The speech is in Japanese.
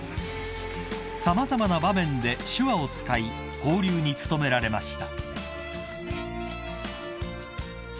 ［様々な場面で手話を使い交流に努められました］